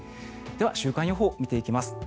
では、週間予報を見ていきます。